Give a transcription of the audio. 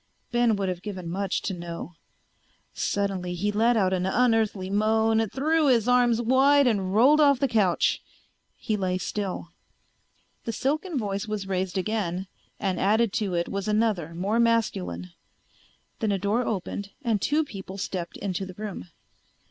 Ben would have given much to know. Suddenly he let out an unearthly moan, threw his arms wide and rolled off the couch. He lay still. The silken voice was raised again and added to it was another, more masculine. Then a door opened and two people stepped into the room.